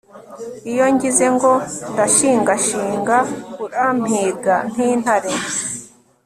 iyo ngize ngo ndashingashinga, urampiga nk'intare